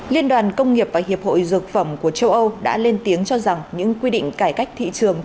liên đoàn công nghiệp và hiệp hội dược phẩm của châu âu đã lên tiếng cho rằng những quy định cải cách thị trường